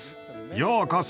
ようこそ。